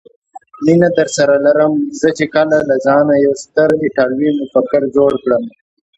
مینه درسره لرم، زه چې کله له ځانه یو ستر ایټالوي مفکر جوړ کړم.